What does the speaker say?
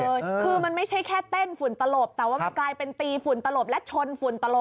คือมันไม่ใช่แค่เต้นฝุ่นตลบแต่ว่ามันกลายเป็นตีฝุ่นตลบและชนฝุ่นตลบ